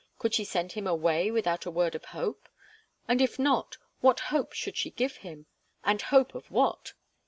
Could she send him away without a word of hope? And if not, what hope should she give him? And hope of what?